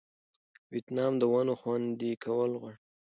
ویتنام د ونو خوندي کول غواړي.